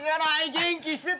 元気してました。